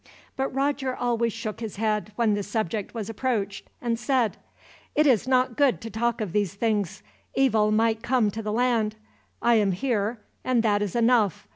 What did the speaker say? But Roger always shook his head when the subject was approached, and said: "It is not good to talk of these things. Evil might come to the land. I am here, and that is enough.